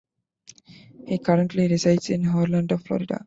He currently resides in Orlando, Florida.